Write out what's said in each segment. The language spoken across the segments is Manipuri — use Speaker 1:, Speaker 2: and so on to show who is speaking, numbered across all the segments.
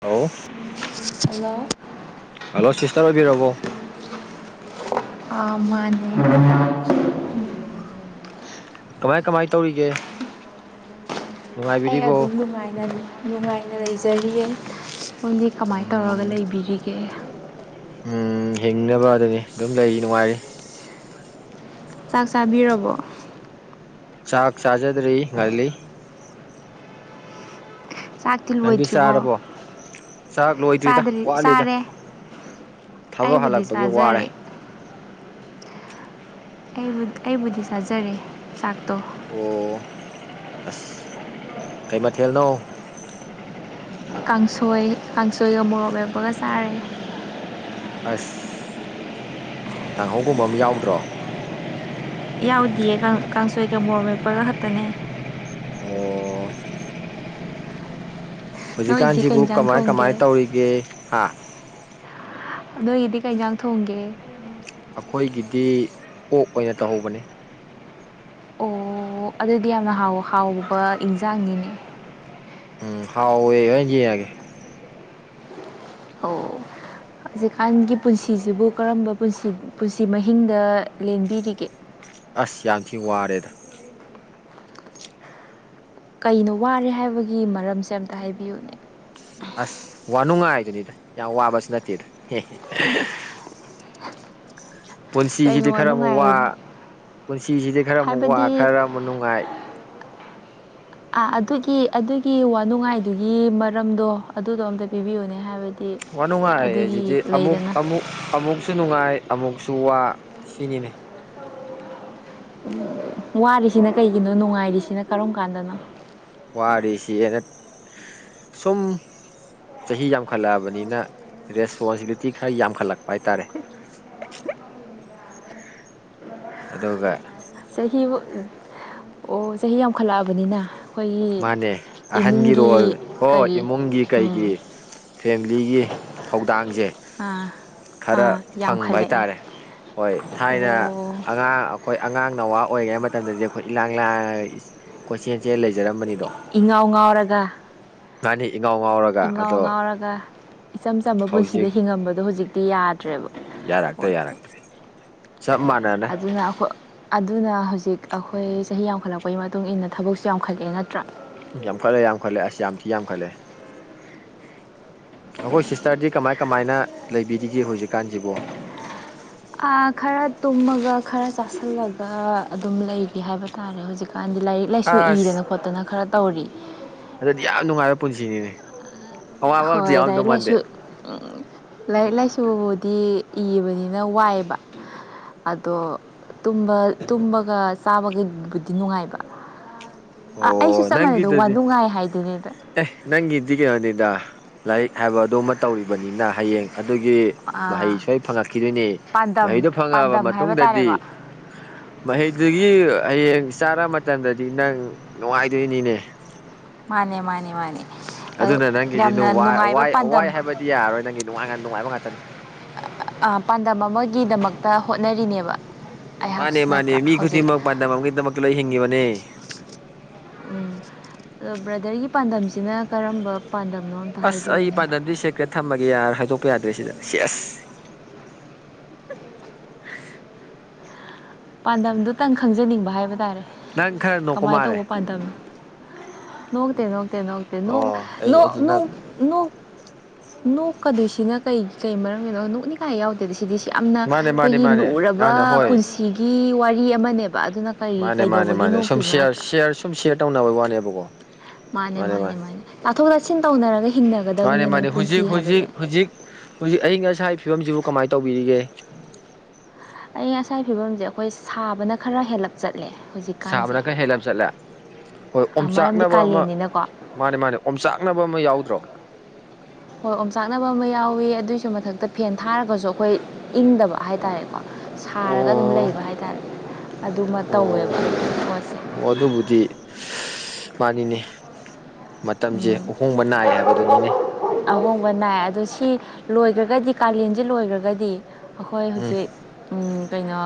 Speaker 1: ꯍꯜꯂꯣ
Speaker 2: ꯍꯜꯂꯣ
Speaker 1: ꯍꯜꯂꯣ ꯁꯤꯁꯇꯔ ꯑꯣꯏꯕꯤꯔꯕꯣ
Speaker 2: ꯑꯥ ꯃꯥꯅꯦ
Speaker 1: ꯑꯣ ꯀꯃꯥꯏ ꯀꯃꯥꯏ ꯇꯧꯔꯤꯒꯦ
Speaker 2: ꯑꯩ
Speaker 1: ꯅꯨꯡꯉꯥꯏꯕꯤꯔꯤꯕꯣ
Speaker 2: ꯑꯗꯨꯝ ꯅꯨꯡꯉꯥꯏꯅ ꯅꯨꯡꯉꯥꯏꯅ ꯂꯩꯖꯔꯤꯌꯦ ꯅꯪꯗꯤ ꯀꯃꯥꯏ ꯇꯧꯔꯒ
Speaker 1: ꯎꯝ
Speaker 2: ꯂꯩꯕꯤꯔꯤꯒꯦ
Speaker 1: ꯎꯝ ꯍꯤꯡꯅꯕꯗꯨꯅꯤ ꯑꯗꯨꯝ ꯂꯩ ꯅꯨꯡꯉꯥꯏꯔꯤ
Speaker 2: ꯆꯥꯛ ꯆꯥꯕꯤꯔꯕꯣ
Speaker 1: ꯆꯥꯥꯛ ꯆꯥꯖꯗ꯭ꯔꯤ ꯉꯜꯂꯤ
Speaker 2: ꯆꯥꯛꯇꯤ
Speaker 1: ꯅꯪꯗꯤ
Speaker 2: ꯂꯣꯏꯗ꯭ꯔꯤꯕꯣ
Speaker 1: ꯆꯥꯔꯕꯣ ꯆꯥꯛ ꯂꯣꯏꯗ꯭ꯔꯤꯗ
Speaker 2: ꯆꯥꯗ꯭ꯔꯤ
Speaker 1: ꯋꯥꯠꯂꯤꯗ
Speaker 2: ꯆꯥꯔꯦ
Speaker 1: ꯊꯕꯛ
Speaker 2: ꯑꯩꯕꯨꯗꯤ
Speaker 1: ꯍꯜꯂꯛꯄꯒꯤ ꯋꯥꯔꯦ
Speaker 2: ꯆꯥꯖꯔꯦ ꯑꯩꯕꯨ ꯑꯩꯕꯨꯗꯤ ꯆꯥꯖꯔꯦ ꯆꯥꯛꯇꯣ
Speaker 1: ꯑꯣ ꯑꯁ ꯀꯩ ꯃꯊꯦꯜꯅꯣ
Speaker 2: ꯀꯥꯡꯁꯣꯏ ꯀꯥꯡꯁꯣꯏꯒ ꯃꯣꯔꯣꯛ ꯃꯦꯠꯄꯒ ꯆꯥꯔꯦ
Speaker 1: ꯑꯁ ꯀꯥꯡꯍꯧꯒꯨꯝꯕ ꯃ ꯌꯥꯎꯗ꯭ꯔꯣ
Speaker 2: ꯌꯥꯎꯗꯤꯌꯦ ꯀꯥꯡ ꯀꯥꯡꯁꯣꯏꯒ ꯃꯣꯔꯣꯛ ꯃꯦꯠꯄꯒ ꯈꯇꯅꯦ
Speaker 1: ꯑꯣ
Speaker 2: ꯅꯣꯏꯒꯤꯗꯤ ꯀꯩ
Speaker 1: ꯍꯨꯖꯤꯛꯀꯥꯟꯁꯤꯕꯨ
Speaker 2: ꯏꯟꯖꯥꯡ
Speaker 1: ꯀꯃꯥꯏ ꯀꯃꯥꯏ
Speaker 2: ꯊꯣꯡꯒꯦ
Speaker 1: ꯇꯧꯔꯤꯒꯦ ꯍꯥ
Speaker 2: ꯅꯣꯏꯒꯤꯗꯤ ꯀꯩ ꯏꯟꯖꯥꯡ ꯊꯣꯡꯒꯦ
Speaker 1: ꯑꯈꯣꯏꯒꯤꯗꯤ ꯑꯣꯛ ꯑꯣꯏꯅ ꯇꯧꯍꯧꯕꯅꯦ
Speaker 2: ꯑꯣ ꯑꯗꯨꯗꯤ ꯌꯥꯝꯅ ꯍꯥꯎ ꯍꯥꯎꯕ ꯏꯟꯖꯥꯡꯅꯤꯅꯦ
Speaker 1: ꯎꯝ ꯍꯥꯎꯋꯦ ꯌ ꯌꯦꯡꯉꯒꯦ
Speaker 2: ꯑꯣ ꯍꯧꯖꯤꯛꯀꯥꯟꯒꯤ ꯄꯨꯟꯁꯤꯁꯤꯕꯨ ꯀꯔꯝꯕ ꯄꯨꯟꯁꯤ ꯃꯍꯤꯡꯗ ꯂꯦꯟꯕꯤꯔꯤꯒꯦ
Speaker 1: ꯑꯁ ꯌꯥꯝꯊꯤ ꯋꯥꯔꯦꯗ
Speaker 2: ꯀꯩꯅꯣ ꯋꯥꯔꯦ ꯍꯥꯏꯕꯒꯤ ꯃꯔꯝꯁꯦ ꯑꯝꯇ ꯍꯥꯏꯕꯤꯌꯨꯅꯦ
Speaker 1: ꯑꯁ ꯋꯥꯅꯨꯡꯉꯥꯏꯗꯨꯅꯤꯗ ꯌꯥꯝ ꯋꯥꯕꯁꯨ ꯅꯠꯇꯦꯗ ꯍꯦ ꯍꯦ ꯄꯨꯟꯁꯤꯁꯤꯗꯤ
Speaker 2: ꯀꯩꯅꯣ
Speaker 1: ꯈꯔ ꯑꯃꯨꯛ ꯋꯥ
Speaker 2: ꯋꯥꯅꯨꯡꯉꯥꯏ
Speaker 1: ꯄꯨꯟꯁꯤꯁꯤꯗꯤ ꯈꯔ ꯑꯃꯨꯛ ꯋꯥ
Speaker 2: ꯍꯥꯏꯕꯗꯤ
Speaker 1: ꯈꯔ ꯑꯃꯨꯛ ꯅꯨꯡꯉꯥꯏ
Speaker 2: ꯑꯥ ꯑꯗꯨꯒꯤ ꯑꯗꯨꯒꯤ ꯋꯥꯅꯨꯡꯉꯥꯏꯗꯨꯒꯤ ꯃꯔꯝꯗꯣ ꯑꯗꯨꯗꯣ ꯑꯝꯇ ꯄꯤꯕꯤꯌꯨꯅꯦ ꯍꯥꯏꯕꯗꯤ
Speaker 1: ꯋꯥꯅꯨꯡꯉꯥꯏꯑꯖꯤꯗꯤ
Speaker 2: ꯑꯗꯨꯒꯤ
Speaker 1: ꯑꯃꯨꯛ
Speaker 2: ꯂꯩꯗꯅ
Speaker 1: ꯑꯃꯨꯛ ꯑꯃꯨꯛꯁꯨ ꯅꯨꯡꯉꯥꯏ ꯑꯃꯨꯛꯁꯨ ꯋꯥ ꯁꯤꯅꯤꯅꯦ
Speaker 2: ꯋꯥꯔꯤꯁꯤꯅ ꯀꯩꯒꯤꯅꯣ ꯅꯨꯡꯉꯥꯏꯔꯤꯁꯤꯅ ꯀꯔꯝ ꯀꯥꯟꯗꯅꯣ
Speaker 1: ꯋꯥꯔꯤꯔꯤꯁꯤ ꯑꯩꯅ ꯁꯨꯝ ꯆꯍꯤ ꯌꯥꯝꯈꯠꯂꯛꯑꯕꯅꯤꯅ ꯔꯦꯁꯄꯣꯟꯁꯤꯕꯤꯂꯤꯇꯤ ꯈꯔ ꯌꯥꯝꯈꯠꯂꯛꯄ ꯍꯥꯏꯇꯥꯔꯦ ꯑꯗꯒ
Speaker 2: ꯆꯍꯤꯕꯨ ꯑꯣ ꯆꯍꯤ ꯌꯥꯝꯈꯠꯂꯛꯑꯕꯅꯤꯅ ꯑꯩꯈꯣꯏꯒꯤ
Speaker 1: ꯃꯥꯅꯦ ꯑꯍꯟꯒꯤ ꯔꯣꯜ
Speaker 2: ꯏꯃꯨꯡꯒꯤ
Speaker 1: ꯍꯣ
Speaker 2: ꯀꯔꯤ
Speaker 1: ꯏꯃꯨꯡꯒꯤ
Speaker 2: ꯎꯝ
Speaker 1: ꯀꯩꯒꯤ ꯐꯦꯃꯤꯂꯤꯒꯤ ꯊꯧꯗꯥꯡꯁꯦ
Speaker 2: ꯑꯥ
Speaker 1: ꯈꯔ
Speaker 2: ꯑꯥ
Speaker 1: ꯐꯪꯕ
Speaker 2: ꯌꯥꯝꯈꯠꯂꯛꯑꯦ
Speaker 1: ꯍꯥꯏꯇꯥꯔꯦ ꯍꯣꯏ ꯊꯥꯏꯅ
Speaker 2: ꯑꯣ
Speaker 1: ꯑꯉꯥꯡ ꯑꯩꯈꯣꯏ ꯑꯉꯥꯡ ꯅꯋꯥ ꯑꯣꯏꯔꯤꯉꯩ ꯃꯇꯝꯗꯗꯤ ꯑꯩꯈꯣꯏ ꯏꯂꯥꯡ ꯂꯥꯡ ꯀꯣꯏꯆꯦꯟꯁꯦ ꯂꯩꯖꯔꯝꯕꯅꯤ
Speaker 2: ꯏꯉꯥꯎ ꯉꯥꯎꯔꯒ
Speaker 1: ꯉꯥꯅꯤ ꯏꯉꯥꯎ ꯉꯥꯎꯔꯒ
Speaker 2: ꯏꯉꯥꯎ
Speaker 1: ꯑꯗꯣ
Speaker 2: ꯉꯥꯎꯔꯒ ꯏꯆꯝ ꯆꯝꯕ ꯄꯨꯟꯁꯤꯗ
Speaker 1: ꯍꯧꯖꯤꯛ
Speaker 2: ꯍꯤꯡꯉꯝꯕꯗꯣ ꯍꯧꯖꯤꯛꯇꯤ ꯌꯥꯗ꯭ꯔꯦꯕ
Speaker 1: ꯌꯥꯔꯇ꯭ꯔꯦ
Speaker 2: ꯄꯣꯠꯇꯣ
Speaker 1: ꯌꯥꯔꯥꯛꯇ꯭ꯔꯦ ꯆꯞ ꯃꯥ
Speaker 2: ꯑꯗꯨꯅ ꯑꯩꯈꯣꯏ ꯑꯗꯨꯅ ꯍꯧꯖꯤꯛ ꯑꯩꯈꯣꯏ ꯆꯍꯤ ꯌꯥꯝꯈꯠꯂꯛꯄꯒꯤ ꯃꯇꯨꯡ ꯏꯟꯅ ꯊꯕꯛꯁꯨ ꯌꯥꯝꯈꯠꯂꯛꯑꯦ ꯅꯠꯇ꯭ꯔꯥ
Speaker 1: ꯌꯥꯝꯈꯠꯂꯦ ꯌꯥꯝꯈꯠꯂꯦ ꯑꯁ ꯌꯥꯝ ꯊꯤ ꯌꯥꯝꯈꯠꯂꯦ ꯑꯩꯈꯣꯏ ꯁꯤꯁꯇꯔꯗꯤ ꯀꯃꯥꯏ ꯀꯃꯥꯏꯅ ꯂꯩꯕꯤꯔꯤꯒꯦ ꯍꯧꯖꯤꯛꯀꯥꯟꯁꯤꯕꯣ
Speaker 2: ꯈꯔ ꯇꯨꯝꯃꯒ ꯈꯔ ꯆꯥꯥꯁꯜꯂꯒ ꯑꯗꯨꯝ ꯂꯩꯒ ꯍꯥꯏꯕ ꯇꯥꯔꯦ ꯍꯧꯖꯤꯛꯀꯥꯟꯗꯤ ꯂꯥꯏꯔꯤꯛ ꯂꯥꯏꯁꯨ
Speaker 1: ꯑꯁ
Speaker 2: ꯏꯗꯅ ꯈꯣꯠꯇꯅ ꯈꯔ ꯇꯧꯔꯤ
Speaker 1: ꯑꯗꯨꯗꯤ ꯌꯥꯝ ꯅꯨꯡꯉꯥꯏꯕ ꯄꯨꯟꯁꯤꯅꯤꯅꯦ ꯑꯋꯥꯕ ꯑꯇ ꯌꯥꯎꯔꯗꯧ ꯃꯥꯟꯗꯦ
Speaker 2: ꯎꯝ ꯂꯥꯏꯔꯤꯛ ꯂꯥꯏꯁꯨꯕꯨꯗꯤ ꯏꯕꯅꯤꯅ ꯋꯥꯏꯑꯕ ꯑꯗꯣ ꯇꯨꯝꯕꯒ ꯆꯥꯕꯒꯕꯨꯗꯤ ꯅꯨꯡꯉꯥꯏꯕ ꯑ ꯑꯩꯁꯨ
Speaker 1: ꯑꯣ
Speaker 2: ꯆꯞ ꯃꯥꯟꯅꯩꯗꯣ
Speaker 1: ꯅꯪꯒꯤꯗꯨꯗꯤ
Speaker 2: ꯋꯥꯗꯨꯅꯨꯡ ꯉꯥꯏ ꯍꯥꯏꯗꯣꯏꯅꯤꯗ
Speaker 1: ꯑꯦ ꯅꯪꯒꯤꯗꯤ ꯀꯩꯅꯣꯅꯤꯗ ꯂꯥꯏꯔꯤꯛ ꯍꯥꯏꯕ ꯑꯗꯨꯃ ꯇꯧꯔꯤꯕꯅꯤꯅ ꯍꯌꯦꯡ ꯑꯗꯨꯒꯤ ꯃꯍꯩ
Speaker 2: ꯑꯥ
Speaker 1: ꯁꯣꯏ ꯐꯪꯉꯛꯈꯤꯗꯣꯏꯅꯦ
Speaker 2: ꯄꯥꯟꯗꯝ
Speaker 1: ꯃꯍꯩꯗꯨꯣ ꯐꯪꯉꯛꯑꯕ
Speaker 2: ꯄꯥꯟꯗꯝ ꯍꯥꯏꯕ
Speaker 1: ꯃꯇꯨꯡꯗꯗꯤ
Speaker 2: ꯇꯥꯔꯦꯀꯣ
Speaker 1: ꯃꯍꯩꯗꯨꯒꯤ ꯍꯌꯦꯡ ꯆꯥꯔ ꯃꯇꯝꯗꯗꯤ ꯅꯪ ꯅꯨꯡꯉꯥꯏꯗꯣꯏꯅꯤꯅꯦ
Speaker 2: ꯃꯥꯅꯦ ꯃꯥꯅꯦ ꯃꯥꯅꯦ ꯑꯗꯨ
Speaker 1: ꯑꯗꯨꯅ ꯅꯪꯒꯤꯗꯤ
Speaker 2: ꯌꯥꯝꯅ ꯅꯨꯡꯉꯥꯏꯕ
Speaker 1: ꯋꯥꯏ
Speaker 2: ꯄꯥꯟꯗꯝ
Speaker 1: ꯍꯥꯏꯕꯗꯤ ꯌꯥꯔꯣꯏ ꯅꯪꯒꯤ ꯅꯨꯡꯉꯥꯏ ꯅꯨꯡꯉꯥꯏꯕ ꯉꯥꯛꯇꯅꯤ
Speaker 2: ꯄꯥꯟꯗꯝ ꯑꯃꯒꯤꯗꯃꯛꯇ ꯍꯣꯠꯅꯔꯤꯅꯦꯕ
Speaker 1: ꯃꯥꯅꯦ
Speaker 2: ꯑꯩꯍꯥꯛꯁꯨ
Speaker 1: ꯃꯥꯅꯦ
Speaker 2: ꯅꯠꯇ꯭ꯔꯥ
Speaker 1: ꯃꯤ
Speaker 2: ꯍꯧꯖꯤꯛ
Speaker 1: ꯈꯨꯗꯤꯡꯃꯛ ꯄꯥꯟꯗꯝ ꯑꯃꯒꯤꯗꯃꯛꯇ ꯂꯣꯏ ꯍꯤꯡꯉꯤꯕꯅꯦ
Speaker 2: ꯎꯝ ꯑꯣ ꯕ꯭ꯔꯗꯔꯒꯤ ꯄꯥꯟꯗꯝꯁꯤꯅ ꯀꯔꯝꯕ ꯄꯥꯟꯗꯝꯅꯣ
Speaker 1: ꯑꯁ ꯑꯩ
Speaker 2: ꯍꯥꯏꯕꯤꯌꯨꯅꯦ
Speaker 1: ꯄꯥꯟꯗꯝꯗꯤ ꯁꯦꯀ꯭ꯔꯦꯠ ꯊꯝꯃꯒꯦ ꯌꯥꯔ ꯍꯥꯏꯗꯣꯛꯄ ꯌꯥꯗ꯭ꯔꯦ ꯁꯤꯗ ꯁꯤ ꯑꯁ
Speaker 2: [inaudible] ꯄꯥꯟꯗꯝꯗꯨꯇꯪ ꯈꯪꯖꯅꯤꯡꯕ ꯍꯥꯏꯕ ꯇꯥꯔꯦ
Speaker 1: ꯅꯪ ꯈꯔ ꯅꯣꯛꯄ
Speaker 2: ꯀꯃꯥꯏꯅ
Speaker 1: ꯃꯥꯜꯂꯦ
Speaker 2: ꯇꯧꯕ ꯄꯥꯟꯗꯝꯅꯣ ꯅꯣꯛꯇꯦ ꯅꯣꯛꯇꯦ ꯅꯣꯛꯇꯦ
Speaker 1: ꯑꯣ ꯑꯩ ꯑꯩꯗꯤ
Speaker 2: ꯅꯣꯡ
Speaker 1: ꯅꯪ
Speaker 2: ꯅ ꯅꯣꯛꯀꯗꯣꯏꯁꯤꯅ ꯀꯩ ꯀꯩ ꯃꯔꯝꯒꯤꯅꯣ ꯅꯣꯛꯅꯤ ꯀꯥꯏ ꯌꯥꯎꯗꯦꯗ ꯁꯤꯗꯤ ꯁꯤ ꯌꯥꯝꯅ
Speaker 1: ꯃꯥꯅꯦ ꯃꯥꯅꯦ
Speaker 2: ꯑꯩꯈꯣꯏꯒꯤ
Speaker 1: ꯃꯥꯅꯦ
Speaker 2: ꯂꯨꯔꯕ
Speaker 1: ꯌꯥꯝꯅ ꯍꯣꯏ
Speaker 2: ꯄꯨꯟꯁꯤꯒꯤ ꯋꯥꯔꯤ ꯑꯃꯅꯦꯕ ꯑꯗꯨꯅ ꯀꯔꯤ
Speaker 1: ꯃꯥꯅꯦ ꯃꯥꯅꯦ
Speaker 2: ꯀꯩꯗꯧꯕꯒꯤ
Speaker 1: ꯃꯥꯅꯦ
Speaker 2: ꯅꯣꯛꯇꯣꯏꯅꯣ
Speaker 1: ꯁꯨꯝꯌꯥꯔ
Speaker 2: ꯅꯠꯇ꯭ꯔꯥ
Speaker 1: ꯁꯤꯌꯥꯔ ꯁꯨꯝꯁꯤꯌꯔ ꯇꯥꯎ ꯕ ꯋꯥꯅꯦꯕꯀꯣ
Speaker 2: ꯃꯥꯅꯦ ꯃꯥꯅꯦ ꯃꯥꯅꯦ ꯇꯥꯊꯣꯛ ꯇꯥꯁꯤꯟ ꯇꯧꯅꯔꯒ
Speaker 1: ꯃꯥꯅꯦ
Speaker 2: ꯍꯤꯡꯅꯒꯗꯕꯅꯤꯅꯦ
Speaker 1: ꯃꯥꯅꯦ
Speaker 2: ꯄꯨꯟꯁꯤ
Speaker 1: ꯍꯧꯖꯤꯛ
Speaker 2: ꯍꯥꯏꯕꯁꯦ
Speaker 1: ꯍꯧꯖꯤꯛ ꯍꯧꯖꯤꯛ ꯍꯧꯖꯤꯛ ꯑꯏꯤꯡ ꯑꯁꯥꯒꯤ ꯐꯤꯕꯝꯁꯤꯕꯨ ꯀꯃꯥꯏꯅ ꯇꯧꯕꯤꯔꯤꯒꯦ
Speaker 2: ꯑꯌ ꯉꯁꯥꯒꯤ ꯐꯤꯕꯝꯁꯦ ꯑꯩꯈꯣꯏ ꯁꯥꯕꯅ ꯈꯔ ꯍꯦꯜꯂꯛꯄ ꯆꯠꯂꯦ ꯍꯧꯖꯤꯛꯀꯥꯟꯁꯦ
Speaker 1: ꯁꯥꯕꯅ ꯈꯔ ꯍꯦꯜꯂꯞ ꯆꯠꯂꯦ ꯍꯣꯏ
Speaker 2: ꯃꯔꯝꯗꯤ
Speaker 1: ꯑꯣꯝꯆꯥꯛꯅꯕ ꯑꯃ
Speaker 2: ꯀꯥꯂꯦꯟꯅꯤꯅꯀꯣ
Speaker 1: ꯃꯥꯅꯦ ꯃꯥꯅꯦ ꯑꯣꯝꯆꯥꯛꯅꯕ ꯑꯃ ꯌꯥꯎꯗ꯭ꯔꯣ
Speaker 2: ꯍꯣꯏ ꯑꯣꯝꯆꯥꯛꯅꯕ ꯑꯃ ꯌꯥꯎꯋꯤ ꯑꯗꯨꯒꯤꯁꯨ ꯃꯊꯛꯇ ꯐꯦꯟ ꯊꯥꯔꯒꯁꯨ ꯑꯩꯈꯣꯏ ꯏꯪꯗꯕ ꯍꯥꯏꯇꯥꯔꯦꯀꯣ ꯁꯥꯔꯒ ꯑꯗꯨꯝ
Speaker 1: ꯑꯣ
Speaker 2: ꯂꯩꯕ ꯍꯥꯏꯇꯥꯔꯦ ꯑꯗꯨꯃ
Speaker 1: ꯑꯣ
Speaker 2: ꯇꯧꯋꯦꯕ ꯄꯣꯠꯁꯦ
Speaker 1: ꯑꯣ ꯑꯗꯨꯕꯨꯗꯤ ꯃꯥꯅꯤꯅꯦ ꯃꯇꯝꯁꯦ
Speaker 2: ꯎꯝ
Speaker 1: ꯑꯍꯣꯡꯕ ꯅꯥꯏ ꯍꯥꯏꯕꯗꯨꯅꯤꯅꯦ
Speaker 2: ꯑꯍꯣꯡꯕ ꯅꯥꯏ ꯑꯗꯣ ꯁꯤ ꯂꯣꯏꯈ꯭ꯔꯒꯗꯤ ꯀꯥꯂꯦꯟꯁꯤ ꯂꯣꯏꯈ꯭ꯔꯒꯗꯤ ꯑꯩꯈꯣꯏ
Speaker 1: ꯎꯝ
Speaker 2: ꯍꯧꯖꯤꯛ ꯀꯩꯅꯣ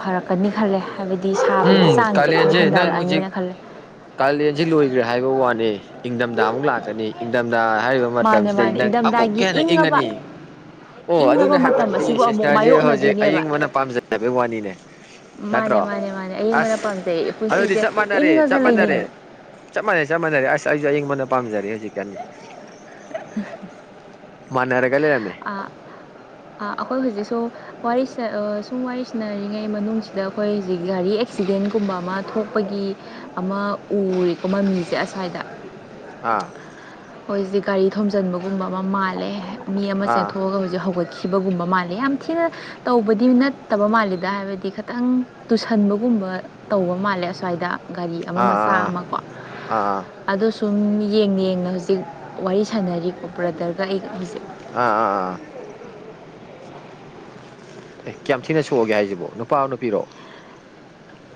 Speaker 2: ꯐꯔꯛꯀꯅꯤ ꯈꯜꯂꯦ ꯍꯥꯏꯕꯗꯤ ꯁꯥꯕꯒꯤ
Speaker 1: ꯎꯝ
Speaker 2: ꯆꯥꯡꯁꯦ ꯈꯔ
Speaker 1: ꯀꯥꯂꯦꯟꯁꯦ ꯅꯪ ꯍꯧꯖꯤꯛ
Speaker 2: ꯍꯟꯊꯔꯛꯑꯅꯤꯅ ꯈꯜꯂꯦ
Speaker 1: ꯀꯥꯂꯦꯟꯁꯤ ꯂꯣꯏꯈ꯭ꯔꯦ ꯍꯥꯏꯕ ꯋꯥꯅꯦ ꯏꯪꯗꯝꯗꯥ ꯑꯃꯨꯛ ꯂꯥꯛꯀꯅꯤ ꯏꯪꯗꯝꯗꯥ ꯍꯥꯏꯔꯤꯕ
Speaker 2: ꯃꯥꯅꯦ
Speaker 1: ꯃꯇꯝꯁꯤꯗꯩ
Speaker 2: ꯃꯥꯅꯦ
Speaker 1: ꯅꯪ ꯑꯃꯨꯛꯀ
Speaker 2: ꯏꯪꯊꯝꯊꯥꯒꯤ
Speaker 1: ꯍꯦꯟꯅ
Speaker 2: ꯏꯪꯉꯕ
Speaker 1: ꯏꯪꯉꯅꯤ ꯑꯣ
Speaker 2: ꯏꯪꯉꯕ
Speaker 1: ꯑꯗꯨꯅ
Speaker 2: ꯃꯇꯝ
Speaker 1: ꯍꯥꯏꯕꯗꯤ
Speaker 2: ꯑꯁꯤꯕꯨ ꯑꯃꯨꯛ
Speaker 1: ꯁꯤꯁꯇꯔꯖꯦ ꯍꯧꯖꯤꯛ
Speaker 2: ꯃꯥꯌꯣꯛꯅꯗꯣꯏꯅꯦꯕ
Speaker 1: ꯑꯌꯤꯡꯕꯅ ꯄꯥꯝꯖꯩ ꯍꯥꯏꯕꯩ ꯋꯥꯅꯤꯅꯦ ꯅꯠꯇ꯭ꯔꯣ
Speaker 2: ꯃꯥꯅꯦ ꯃꯥꯅꯦ ꯃꯥꯅꯦ ꯑꯌꯤꯡꯕꯅ
Speaker 1: ꯑꯁ
Speaker 2: ꯄꯥꯝꯖꯩ
Speaker 1: ꯑꯗꯨꯗꯤ
Speaker 2: ꯄꯨꯟꯁꯤꯁꯦ
Speaker 1: ꯆꯞ ꯃꯥꯟꯅꯔꯦ
Speaker 2: ꯏꯪꯉꯒ
Speaker 1: ꯆꯞ ꯃꯥꯟꯅꯔꯦ
Speaker 2: ꯂꯩꯅꯤꯡꯉꯦ
Speaker 1: ꯆꯞ ꯃꯥꯟꯅꯩ ꯆꯞ ꯃꯥꯟꯅꯩ ꯑꯁ ꯑꯩꯖꯨ ꯑꯏꯪꯕꯅ ꯄꯥꯝꯖꯔꯦ ꯍꯧꯖꯤꯛꯀꯥꯟꯗꯤ ꯃꯥꯟꯅꯔꯒ ꯂꯩꯔꯝꯃꯦ
Speaker 2: ꯑꯍꯥ ꯑꯥ ꯑꯥ ꯑꯈꯣꯏ ꯍꯧꯖꯤꯛꯁꯨ ꯋꯥꯔꯤ ꯁꯥ ꯑꯥ ꯁꯨꯝ ꯁꯅꯔꯤꯉꯩ ꯃꯅꯨꯡꯁꯤꯗ ꯑꯈꯣꯏ ꯍꯧꯖꯤꯛ ꯒꯥꯔꯤ ꯑꯦꯛꯁꯤꯗꯦꯟꯒꯨꯝꯕ ꯑꯃ ꯊꯣꯛꯄꯒꯤ ꯑꯃ ꯎꯔꯦꯀꯣ ꯃꯃꯤꯖꯦ ꯑꯁ꯭ꯋꯥꯏꯗ
Speaker 1: ꯑꯥ
Speaker 2: ꯃꯣꯏꯖꯤꯗꯤ ꯒꯥꯔꯤ ꯊꯣꯝꯖꯤꯟꯕꯒꯨꯝꯕ ꯑꯃ ꯃꯥꯜꯂꯦ ꯃꯤ ꯑꯃ
Speaker 1: ꯑꯥ
Speaker 2: ꯆꯦꯟꯊꯣꯛꯑꯒ ꯍꯧꯖꯤꯛ ꯍꯧꯒꯠꯈꯤ ꯊꯤꯕꯒꯨꯝꯕ ꯃꯥꯜꯂꯦ ꯌꯥꯝ ꯊꯤꯅ ꯇꯧꯕꯗꯤ ꯅꯠꯇꯕ ꯃꯥꯜꯂꯤꯗ ꯍꯥꯏꯕꯗꯤ ꯈꯇꯪ ꯇꯨꯁꯟꯕꯒꯨꯝꯕ ꯇꯧꯕ ꯃꯥꯜꯂꯦ ꯑꯁ꯭ꯋꯥꯏꯗ ꯒꯥꯔꯤ
Speaker 1: ꯑꯥ
Speaker 2: ꯑꯃ ꯃꯆꯥ
Speaker 1: ꯑꯥ ꯑꯥ
Speaker 2: ꯑꯃꯀꯣ
Speaker 1: ꯑꯥ ꯑꯥ
Speaker 2: ꯑꯗꯣ ꯁꯨꯝ ꯌꯦꯡꯅ ꯌꯦꯡꯅ ꯍꯧꯖꯤꯛ ꯋꯥꯔꯤ ꯁꯥꯟꯅꯔꯤꯀꯣ ꯕꯔꯗꯔꯒ ꯑꯩꯒ ꯍꯧꯖꯤꯛ
Speaker 1: ꯑꯥ ꯑꯥ ꯑꯥ ꯑꯥ ꯑꯦ ꯀꯌꯥꯝ ꯊꯤꯅ ꯁꯣꯛꯑꯒꯦ ꯍꯥꯏꯖꯤꯕꯣ ꯅꯨꯄꯥꯔꯣ ꯅꯨꯄꯤꯔꯣ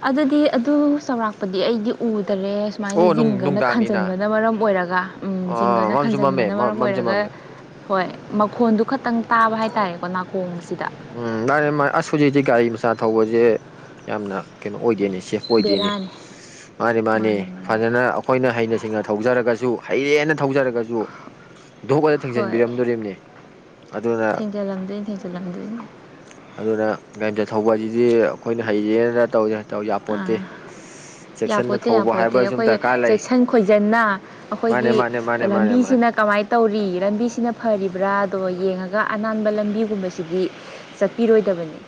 Speaker 2: ꯑꯗꯨꯗꯤ ꯑꯗꯨ ꯆꯥꯎꯔꯥꯛꯄꯗꯤ ꯑꯩꯗꯤ ꯎꯗꯔꯦ ꯁꯨꯃꯥꯏꯅ
Speaker 1: ꯑꯣ
Speaker 2: ꯖꯤꯡꯒꯅ
Speaker 1: ꯅꯨꯡꯗꯥꯡꯅꯤꯅ
Speaker 2: ꯈꯟꯖꯟꯕꯅ ꯃꯔꯝ ꯑꯣꯏꯔꯒ ꯎꯝ
Speaker 1: ꯑꯣ
Speaker 2: ꯖꯤꯡꯒꯅ
Speaker 1: ꯃꯝꯁꯨ ꯃꯝꯃꯦ
Speaker 2: ꯈꯟꯖꯟꯕꯅ ꯃꯔꯝ
Speaker 1: ꯃꯝꯁꯨ
Speaker 2: ꯑꯣꯏꯔꯒ
Speaker 1: ꯃꯝꯃꯦ
Speaker 2: ꯍꯣꯏ ꯃꯈꯣꯟꯗꯨ ꯈꯇꯪ ꯇꯥꯕ ꯍꯥꯏꯇꯥꯔꯦꯀꯣ ꯅꯥꯀꯣꯡꯁꯤꯗ
Speaker 1: ꯎꯝ ꯃꯥꯅꯦ ꯃꯥ ꯑꯁ ꯍꯧꯖꯤꯛꯇꯤ ꯒꯥꯔꯤ ꯃꯆꯥ ꯊꯧꯕꯖꯦ ꯌꯥꯝꯅ ꯀꯩꯅꯣ ꯑꯣꯏꯗꯦꯅꯦ ꯁꯦ ꯑꯣꯏꯗꯦꯅꯦ
Speaker 2: ꯕꯦꯔꯥꯅꯤ
Speaker 1: ꯁ ꯃꯥꯅꯦ ꯃꯥꯅꯦ
Speaker 2: ꯃꯥꯅꯤ ꯃꯥꯅꯤ
Speaker 1: ꯐꯖꯅ ꯑꯈꯣꯏꯅ ꯍꯩꯅ ꯁꯤꯡꯅ ꯊꯧꯖꯔꯒꯁꯨ ꯍꯩꯔꯦꯅ ꯊꯧꯖꯔꯒꯖꯨ ꯖꯨ ꯗꯨꯛ ꯍꯦꯛ ꯊꯦꯡꯖꯤꯟ
Speaker 2: ꯍꯣꯏ
Speaker 1: ꯕꯤꯔꯝꯗꯣꯔꯤꯝꯅꯤ ꯑꯗꯨꯅ
Speaker 2: ꯊꯦꯡꯖꯜꯂꯝꯗꯣꯏꯅꯦ ꯊꯦꯡꯖꯜꯂꯝ
Speaker 1: ꯑꯗꯨꯅ ꯒꯥꯔꯤꯝꯆꯥ ꯊꯧꯕ ꯍꯥꯏꯁꯤꯗꯤ ꯑꯈꯣꯏꯅ ꯍꯩꯔꯦꯅ ꯇꯧ ꯌꯥ ꯇꯧ ꯌꯥꯄꯣꯠꯇꯦ
Speaker 2: ꯑꯥ ꯌꯥꯄꯣꯠꯇꯦ ꯌꯥꯄꯣꯠꯇꯦ ꯑꯈꯣꯏ
Speaker 1: ꯂꯩ
Speaker 2: ꯆꯦꯛꯁꯟ ꯈꯣꯏꯖꯟꯅ
Speaker 1: ꯃꯥꯅꯦ
Speaker 2: ꯑꯈꯣꯏꯒꯤ
Speaker 1: ꯃꯥꯅꯦ ꯃꯥꯅꯦ ꯃꯥꯅꯦ ꯃꯥꯅꯦ
Speaker 2: ꯂꯝꯕꯤꯁꯤꯅ ꯀꯃꯥꯏꯅ ꯇꯧꯔꯤ ꯂꯝꯕꯤꯁꯤꯅ ꯐꯔꯤꯕ꯭ꯔꯥ ꯑꯗꯣ ꯌꯦꯡꯉꯒ ꯑꯅꯥꯟꯕ ꯂꯝꯕꯤꯒꯨꯝꯕꯁꯤꯗꯤ ꯆꯠꯄꯤꯔꯣꯏꯗꯕꯅꯤ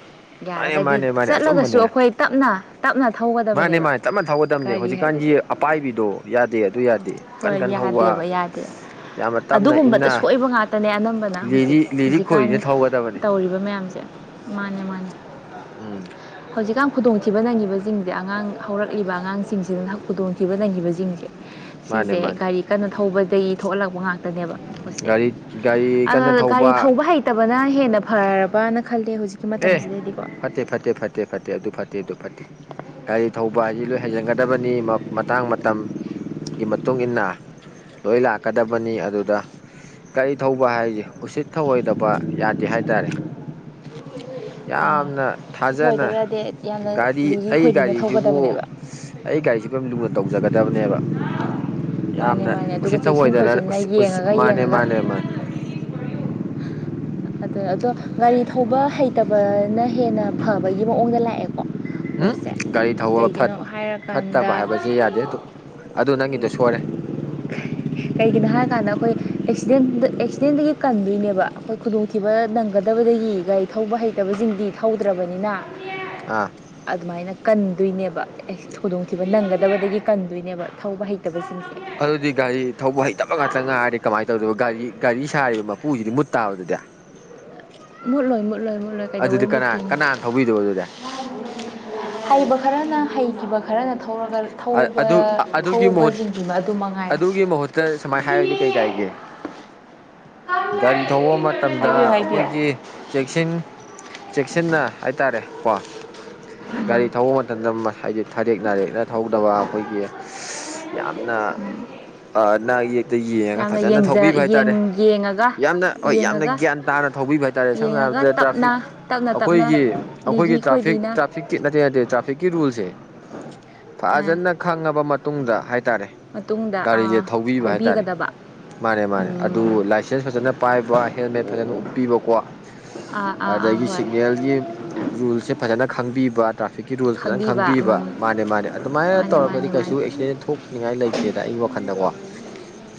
Speaker 1: ꯃꯥꯅꯦ
Speaker 2: ꯌꯥꯔꯒꯗꯤ
Speaker 1: ꯃꯥꯅꯦ ꯃꯥꯅꯦ
Speaker 2: ꯆꯠꯂꯒꯁꯨ
Speaker 1: ꯑꯆꯨꯝꯕꯅꯦ
Speaker 2: ꯑꯈꯣꯏ ꯇꯞꯅ ꯇꯞꯅ
Speaker 1: ꯃꯥꯅꯦ
Speaker 2: ꯊꯧꯒꯗꯕꯅꯦꯕ
Speaker 1: ꯃꯥꯅꯦ ꯇꯞꯅ ꯊꯧꯒꯗꯕꯅꯦ
Speaker 2: ꯒꯥꯔꯤ ꯍꯥꯏꯕꯖꯦ
Speaker 1: ꯍꯧꯖꯤꯛꯀꯥꯟꯒꯤ ꯑꯄꯥꯏꯕꯤꯗꯣ ꯌꯥꯗꯦ ꯑꯗꯨ ꯌꯥꯗꯦ ꯀꯟ
Speaker 2: ꯍꯣꯏ
Speaker 1: ꯀꯟ ꯊꯧꯕ
Speaker 2: ꯌꯥꯗꯦꯕ ꯌꯥꯗꯦ
Speaker 1: ꯌꯥꯝꯅ ꯇꯞꯅ
Speaker 2: ꯑꯗꯨꯒꯨꯝꯕꯗ
Speaker 1: ꯏꯟꯅ
Speaker 2: ꯁꯣꯏꯕ ꯉꯥꯛꯇꯅꯦ ꯑꯅꯝꯕꯅ ꯅ
Speaker 1: ꯂꯤꯔꯤ
Speaker 2: ꯍꯧꯖꯤꯛꯁ
Speaker 1: ꯂꯤꯔꯤ
Speaker 2: ꯍꯧꯖꯤꯀꯥꯟ
Speaker 1: ꯈꯣꯏꯔꯤꯅ ꯊꯧꯒꯗꯕꯅꯦ
Speaker 2: ꯇꯧꯔꯤꯕ ꯃꯌꯥꯝꯖꯦ ꯃꯥꯅꯦ ꯃꯥꯅꯦ
Speaker 1: ꯎꯝ
Speaker 2: ꯍꯧꯖꯤꯛꯀꯥꯟ ꯈꯨꯗꯣꯡꯊꯤꯕ ꯅꯪꯉꯤꯕꯖꯤꯡꯖꯦ ꯑꯉꯥꯡ ꯍꯧꯔꯛꯂꯤꯕ ꯑꯉꯥꯡꯁꯤꯡꯁꯤꯗꯅ ꯈꯨꯗꯣꯡꯊꯤꯕ ꯅꯪꯉꯤꯕꯖꯤꯡꯖꯦ
Speaker 1: ꯃꯥꯅꯦ
Speaker 2: ꯁꯤꯖꯦ
Speaker 1: ꯃꯥꯅꯦ
Speaker 2: ꯒꯥꯔꯤ ꯀꯟꯅ ꯊꯧꯕꯗꯒꯤ ꯊꯣꯛꯍꯜꯂꯛꯄ ꯉꯥꯛ ꯇꯅꯦꯕ ꯃꯁꯦ
Speaker 1: ꯒꯥꯔꯤ ꯒꯥꯔꯤ ꯀꯟꯅ
Speaker 2: ꯑꯗꯅ ꯒꯥꯔꯤ ꯊꯧꯕ ꯍꯩ ꯇꯕꯅ ꯍꯦꯟꯅ ꯐꯔꯕꯅ ꯈꯜꯂꯦ ꯍꯧꯖꯤꯛꯀꯤ
Speaker 1: ꯑꯦ
Speaker 2: ꯃꯇꯝꯁꯤꯗꯗꯤꯀꯣ
Speaker 1: ꯐꯠꯇꯦ ꯐꯠꯇꯦ ꯐꯠꯇꯦ ꯑꯗꯨ ꯐꯠꯇꯦ ꯑꯗꯨ ꯐꯠꯇꯦ ꯒꯥꯔꯤ ꯊꯧꯕ ꯍꯥꯏꯁꯤ ꯂꯣꯏ ꯍꯩꯖꯟꯒꯗꯕ ꯅꯤ ꯃꯇꯥꯡ ꯃꯇꯝ ꯒꯤ ꯃꯇꯨꯡ ꯏꯟꯅ ꯂꯣꯏ ꯂꯥꯛꯀꯗꯕꯅꯤ ꯑꯗꯨꯗ ꯀꯥꯔꯤ ꯊꯧꯕ ꯍꯥꯏꯖꯦ ꯎꯁꯤꯠ ꯊꯧꯑꯣꯏꯗꯕ ꯌꯥꯗꯦ ꯍꯥꯏꯇꯥꯔꯦ
Speaker 2: ꯑꯥ
Speaker 1: ꯌꯥꯝꯅ
Speaker 2: ꯁꯤ
Speaker 1: ꯊꯥꯖꯅ
Speaker 2: ꯊꯧꯑꯣꯏꯗꯕ ꯌꯥꯗꯦ ꯌꯥꯝꯅ
Speaker 1: ꯒꯥꯔꯤ
Speaker 2: ꯂꯤꯔꯤ
Speaker 1: ꯑꯩ
Speaker 2: ꯈꯣꯏꯔꯤꯅ
Speaker 1: ꯒꯥꯔꯤꯖꯤꯕꯨ ꯁ
Speaker 2: ꯊꯧꯒꯗꯕꯅꯦꯕ
Speaker 1: ꯑꯩ ꯒꯥꯔꯤꯖꯤꯕꯨ ꯌꯥꯝ ꯂꯨꯅ ꯇꯧꯖꯒꯗꯝꯅꯦꯕ
Speaker 2: ꯃꯥꯅꯦ
Speaker 1: ꯌꯥꯝꯅ
Speaker 2: ꯃꯥꯅꯦ ꯑꯗꯨꯒ
Speaker 1: ꯎꯁꯤꯠ
Speaker 2: ꯆꯦꯛꯁꯤꯟ
Speaker 1: ꯊꯧꯑꯣꯏꯗꯅ
Speaker 2: ꯈꯣꯏꯖꯤꯟꯅ
Speaker 1: ꯎꯁꯤ ꯎꯁꯤ
Speaker 2: ꯌꯦꯡꯉꯒ
Speaker 1: ꯃꯥꯅꯦ
Speaker 2: ꯌꯦꯡꯉꯒ
Speaker 1: ꯃꯥꯅꯦ ꯃꯥꯅꯦ
Speaker 2: [unintelligible] ꯑꯗꯨ ꯑꯗꯣ ꯒꯥꯔꯤ ꯊꯧꯕ ꯍꯩꯇꯕ ꯅ ꯍꯦꯟꯅ ꯐꯕꯒꯤ ꯃꯑꯣꯡꯗ ꯂꯥꯛꯑꯦꯀꯣ
Speaker 1: ꯎꯝ
Speaker 2: ꯄꯣꯠꯁꯦ
Speaker 1: ꯒꯥꯔꯤ ꯊꯧꯕ ꯐꯠ
Speaker 2: ꯀꯩꯒꯤꯅꯣ
Speaker 1: ꯐꯠꯇꯕ
Speaker 2: ꯍꯥꯏꯔꯀꯥꯟꯗ
Speaker 1: ꯍꯥꯏꯕꯁꯦ ꯌꯥꯗꯦ ꯑꯗꯨ ꯑꯗꯨ ꯅꯪꯒꯤꯗꯣ ꯁꯣꯏꯔꯦ
Speaker 2: ꯀꯩꯒꯤꯅꯣ ꯍꯥꯏ ꯀꯥꯟꯗ ꯑꯈꯣꯏ ꯑꯦꯛꯁꯤꯗꯦꯟꯗ ꯑꯦꯛꯁꯤꯗꯦꯟꯗꯒꯤ ꯀꯟꯗꯣꯏꯅꯦꯕ ꯕ ꯑꯈꯣꯏ ꯈꯨꯗꯣꯡꯊꯤꯕ ꯅꯪꯒꯗꯕꯗꯒꯤ ꯒꯥꯔꯤ ꯊꯧꯕ ꯍꯩꯇꯕꯖꯤꯡꯗꯤ ꯊꯧꯗ꯭ꯔꯕꯅꯤꯅ
Speaker 1: ꯑꯥ
Speaker 2: ꯑꯗꯨꯃꯥꯏꯅ ꯀꯟꯗꯣꯏꯅꯦꯕ ꯑꯦꯛꯁ ꯈꯨꯗꯣꯡꯊꯤꯕ ꯅꯪꯒꯗꯕꯗꯒꯤ ꯀꯟꯗꯣꯏꯅꯦꯕ ꯊꯧꯕ ꯍꯩꯇꯕꯁꯤꯡꯁꯦ
Speaker 1: ꯑꯗꯨꯗꯤ ꯒꯥꯔꯤ ꯊꯧꯕ ꯍꯩꯇꯕ ꯉꯥꯛꯇ ꯉꯥꯏꯔꯗꯤ ꯀꯃꯥꯏꯅ ꯇꯧꯗꯕ ꯒꯥꯔꯤ ꯒꯥꯔꯤ ꯁꯥꯔꯤꯕ ꯃꯄꯨꯁꯤꯗꯤ ꯃꯨꯠ ꯇꯥꯕꯗꯨꯗꯤ
Speaker 2: ꯃꯨꯠꯂꯣꯏ ꯃꯨꯠꯂꯣꯏ ꯃꯨꯠꯂꯣꯏ
Speaker 1: ꯑꯗꯨꯗꯤ
Speaker 2: ꯀꯩꯗꯧꯧꯕ
Speaker 1: ꯀꯅꯥ
Speaker 2: ꯇꯨꯣ
Speaker 1: ꯀꯅꯥꯅ ꯊꯧꯕꯤꯗꯣꯏꯕ
Speaker 2: ꯍꯩꯕ ꯈꯔꯅ ꯍꯩꯈꯤꯕ ꯈꯔꯅ ꯊꯧꯔꯒ
Speaker 1: ꯑꯗꯨꯗꯤ
Speaker 2: ꯊꯧꯕ
Speaker 1: ꯑꯗꯨ ꯑꯗꯨꯒꯤ ꯃꯍꯨꯠ
Speaker 2: ꯊꯧꯕꯁꯤꯡꯗꯨꯃ ꯑꯗꯨ ꯃꯉꯥꯏꯔ
Speaker 1: ꯑꯗꯨꯒꯤ ꯃꯍꯨꯠꯇ ꯁꯨꯃꯥꯏꯅ ꯍꯥꯏꯔꯗꯤ ꯀꯩ ꯀꯥꯏꯒꯦ ꯒꯥꯔꯤ ꯊꯧꯕ ꯃꯇꯝꯗ
Speaker 2: ꯍꯥꯏꯕꯤꯌꯨ ꯍꯥꯏꯕꯤꯌꯨ
Speaker 1: ꯑꯩꯈꯣꯏꯒꯤ ꯆꯦꯛꯁꯤꯟ ꯆꯦꯛꯁꯤꯟꯅ ꯍꯥꯏꯇꯥꯔꯦ ꯀꯣ
Speaker 2: ꯎꯝ
Speaker 1: ꯒꯥꯔꯤ ꯊꯧꯕ ꯃꯇꯝꯗ ꯉꯁꯥꯏꯗꯨ ꯊꯥꯔꯦꯛ ꯅꯥꯔꯦꯛ ꯊꯧꯗꯕ ꯑꯩꯈꯣꯏꯒꯤ ꯌꯥꯝꯅ ꯅꯥ ꯌꯦꯛꯇ ꯌꯦꯡꯉꯒ
Speaker 2: ꯌꯥꯝꯅ
Speaker 1: ꯐꯖꯅ
Speaker 2: ꯌꯦꯡꯖ
Speaker 1: ꯊꯧꯕꯤꯕ
Speaker 2: ꯌꯦꯡ
Speaker 1: ꯍꯥꯏꯇꯥꯔꯦ
Speaker 2: ꯌꯦꯡꯉꯒ
Speaker 1: ꯌꯥꯝꯅ ꯍꯣꯏ ꯌꯥꯝꯅ
Speaker 2: ꯌꯦꯡꯉꯒ
Speaker 1: ꯒ꯭ꯌꯥꯟ ꯇꯥꯅ ꯊꯧꯕꯤꯕ ꯍꯥꯏꯇꯥꯔꯦ ꯁꯝꯅ
Speaker 2: ꯌꯦꯡꯉꯒ
Speaker 1: ꯍꯥꯏꯔꯕꯗ ꯇ꯭ꯔꯥꯐꯤꯛ
Speaker 2: ꯇꯞꯅ ꯇꯞꯅ ꯇꯞꯅ
Speaker 1: ꯑꯩꯈꯣꯏꯒꯤ ꯑꯩꯈꯣꯏꯒꯤ
Speaker 2: ꯂꯤꯔꯤ
Speaker 1: ꯇ꯭ꯔꯥꯐꯤꯛ
Speaker 2: ꯈꯣꯏꯔꯤꯅ
Speaker 1: ꯇ꯭ꯔꯥꯐꯤꯛꯀꯤ ꯅꯠꯇꯦ ꯅꯠꯇꯦ ꯇ꯭ꯔꯥꯐꯤꯛꯀꯤ ꯔꯨꯜꯁꯦ ꯐꯖꯅ ꯈꯪꯉꯕ ꯃꯇꯨꯡꯗ ꯍꯥꯏꯇꯥꯔꯦ
Speaker 2: ꯃꯇꯨꯡꯗ
Speaker 1: ꯒꯥꯔꯤꯁꯦ ꯊꯧꯕꯤꯕ ꯍꯥꯏꯇꯥꯔꯦ
Speaker 2: ꯊꯧꯕꯤꯒꯗꯕ
Speaker 1: ꯃꯥꯅꯦ ꯃꯥꯅꯦ ꯑꯗꯨ ꯂꯥꯏꯁꯦꯟꯁ ꯐꯖꯅ ꯄꯥꯏꯕ ꯍꯦꯜꯃꯦꯠ ꯐꯖꯅ ꯎꯞꯄꯤꯕꯀꯣ
Speaker 2: ꯑꯥ ꯑꯥ ꯑꯥ
Speaker 1: ꯑꯗꯒꯤ
Speaker 2: ꯍꯣꯏ
Speaker 1: ꯁꯤꯛꯅꯦꯜꯒꯤ ꯔꯨꯜꯁꯦ ꯐꯖꯅ ꯈꯪꯕꯤꯕ ꯇ꯭ꯔꯥꯐꯤꯛꯀꯤ ꯔꯨꯜ ꯐꯖꯅ ꯈꯪꯕꯤꯕ ꯃꯥꯅꯦ ꯃꯥꯅꯦ ꯁꯃꯥꯏꯅ
Speaker 2: ꯃꯥꯅꯦ ꯃꯥꯅꯦ
Speaker 1: ꯇꯧꯔꯒꯗꯤ ꯀꯩꯁꯨ
Speaker 2: ꯃꯥꯅꯦ
Speaker 1: ꯑꯦꯛꯁꯤꯗꯦꯟ ꯊꯣꯛꯅꯤꯡꯉꯥꯏ ꯂꯩꯇꯦꯗ ꯑꯩꯒꯤ ꯋꯥꯈꯟꯗꯀꯣ